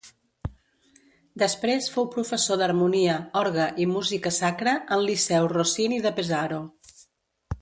Després fou professor d'harmonia, orgue i música sacra en Liceu Rossini de Pesaro.